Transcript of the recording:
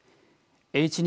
Ｈ２